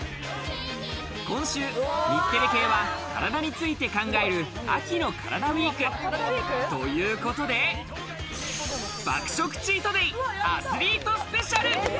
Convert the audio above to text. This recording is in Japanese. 今週日テレ系はカラダについて考える秋のカラダＷＥＥＫ。ということで、爆食チートデイ、アスリートスペシャル！